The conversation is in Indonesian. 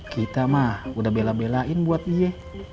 kita mah udah bela belain buat dia